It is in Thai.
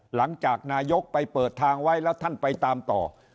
หลังจากนายกไปเปิดทางไว้แล้วท่านไปตามต่อ